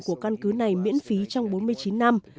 của căn cứ này miễn phí trong bốn mươi chín năm